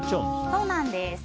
そうなんです。